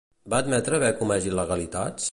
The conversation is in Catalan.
Va admetre haver comès il·legalitats?